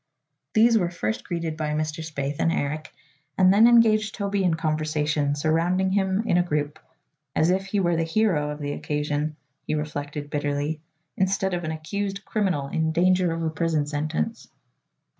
These were first greeted by Mr. Spaythe and Eric and then engaged Toby in conversation, surrounding him in a group as if he were the hero of the occasion, he reflected bitterly, instead of an accused criminal in danger of a prison sentence!